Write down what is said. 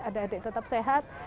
adik adik tetap sehat